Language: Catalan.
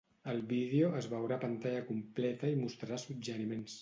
El vídeo es veurà a pantalla completa i mostrarà suggeriments.